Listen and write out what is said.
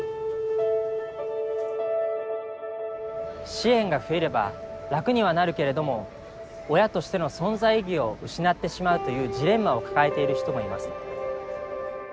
支援が増えれば楽にはなるけれども親としての存在意義を失ってしまうというジレンマを抱えている人もいます。